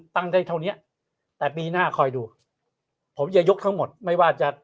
ตั้งได้เท่านี้แต่ปีหน้าคอยดูผมจะยกทั้งหมดไม่ว่าจะ